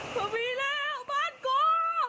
พ่อมีแล้วบ้านกลัว